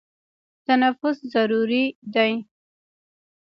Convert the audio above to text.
تنفس ضروري دی.